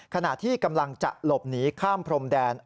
ขณะที่กำลังจะหลบหนีข้ามพรมแดน